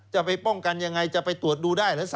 จะไปป้องกันอย่างไรจะไปตรวจดูได้หรือ๓๐๐๐๐๐คน